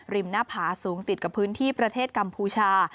หน้าผาสูงติดกับพื้นที่ประเทศกัมพูชา